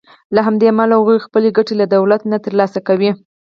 له همدې امله هغوی خپلې ګټې له دولت نه تر لاسه کوي.